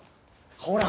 ほら！